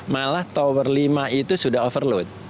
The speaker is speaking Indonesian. malah tower lima itu sudah overload